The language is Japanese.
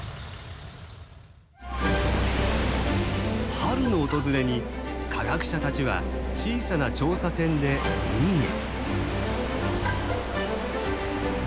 春の訪れに科学者たちは小さな調査船で海へ。